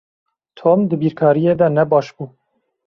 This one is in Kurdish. Tom di bîrkariyê de ne baş bû.